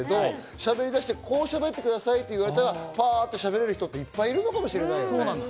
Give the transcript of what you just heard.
しゃべりだして、こうしゃべってくださいと言われたら、バっとしゃべれる人っていっぱいいるかもしれないね。